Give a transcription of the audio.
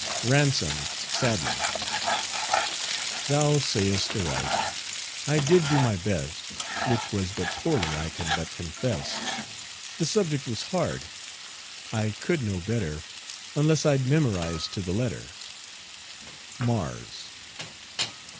RANSOM (sadly). Thou sayest aright. I did do my best, Which was but poorly I can but confess. The subject was hard. I could no better Unless I'd memorized to the letter. MARS.